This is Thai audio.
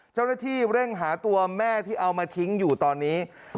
เจ้าหน้าที่เร่งหาตัวแม่ที่เอามาทิ้งอยู่ตอนนี้